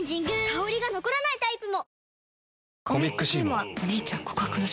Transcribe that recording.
香りが残らないタイプも！